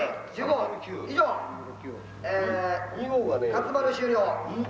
勝丸終了。